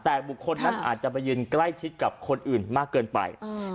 แต่บุคคลนั้นอาจจะไปยืนใกล้ชิดกับคนอื่นมากเกินไป